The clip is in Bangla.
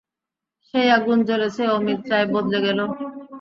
সেই আগুন জ্বলেছে, অমিত রায় বদলে গেল।